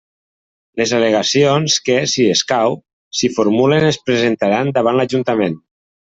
Les al·legacions que, si escau, s'hi formulen es presentaran davant l'ajuntament.